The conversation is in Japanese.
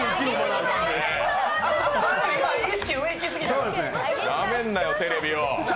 なめんなよ、テレビを。